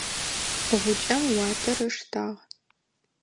Гъукӏэм уатэр ыштагъ.